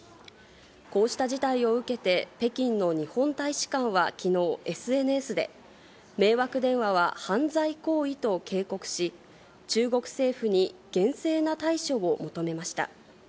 こうした事態を受けて、北京の日本大使館はきのうＳＮＳで、迷惑電話は犯罪行為と警告し、中国政府に厳正な対処を求めました。